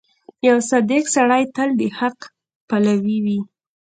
• یو صادق سړی تل د حق پلوی وي.